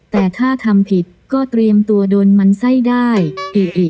แต่ถ้าทำผิดก็เตรียมตัวโดนมันไส้ได้อิอิ